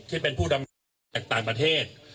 ที่เป็นผู้ดำจากต่างประเทศ